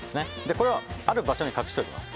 これをある場所に隠しておきます。